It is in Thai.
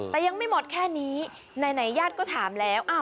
แต่ยังไม่หมดแค่นี้ไหนญาติก็ถามแล้ว